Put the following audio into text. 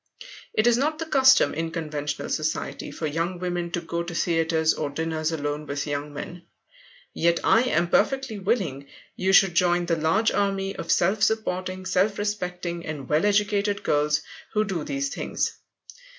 It is not the custom in conventional society for young women to go to theatres or dinners alone with young men. Yet I am perfectly willing you should join the large army of self supporting, self respecting, and well educated girls who do these things.